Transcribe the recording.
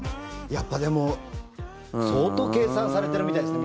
やっぱり、でも相当計算されてるみたいですね